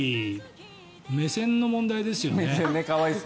これは目線の問題ですよね。